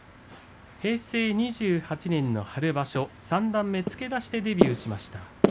平成２８年の春場所三段目付け出しでデビューしました。